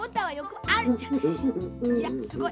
いやすごい。